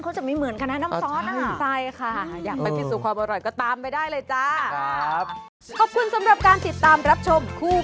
เห็นไหมจะต้องเป็นมืออาชีพจริง